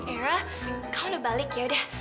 eira kamu udah balik yaudah